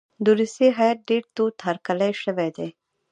د روسیې هیات ډېر تود هرکلی شوی دی.